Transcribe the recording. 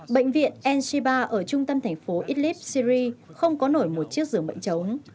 bệnh viện njiba ở trung tâm thành phố idlib syri không có nổi một chiếc giường bệnh chống